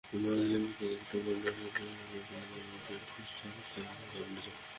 মাস তিনেক আগে এটি বাড্ডার সাতারকুলে কেনা জমিতে স্থায়ী ভবনে যায়।